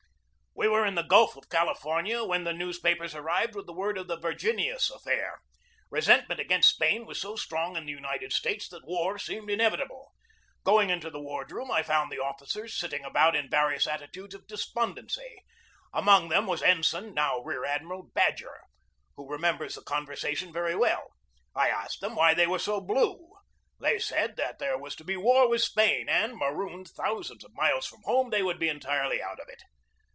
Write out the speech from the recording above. We were in the Gulf of California when the news papers arrived with word of the Virginius affair. Resentment against Spain was so strong in the United States that war seemed inevitable. Going into the wardroom, I found the officers sitting about in various attitudes of despondency. Among them was Ensign, now Rear Admiral, Badger, who re members the conversation very well. I asked them why they were so blue. They said that there was to be war with Spain and, marooned thousands of miles from home, they would be entirely out of it.